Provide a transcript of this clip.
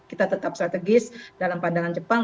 kita tetap strategis dalam pandangan jepang